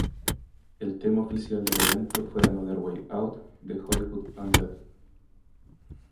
El tema oficial del evento fue ""Another Way Out"" de Hollywood Undead.